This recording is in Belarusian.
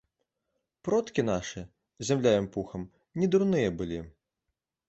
Продкі нашы, зямля ім пухам, не дурныя былі.